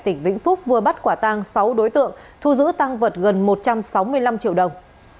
tỉnh vĩnh phúc vừa bắt quả tang sáu đối tượng thu giữ tăng vật gần một trăm sáu mươi năm triệu đồng